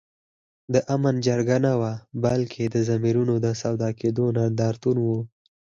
د آمن جرګه نه وه بلکي د ضمیرونو د سودا کېدو نندارتون وو